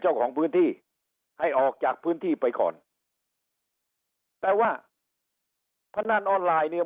เจ้าของพื้นที่ให้ออกจากพื้นที่ไปก่อนแต่ว่าพนันออนไลน์เนี่ย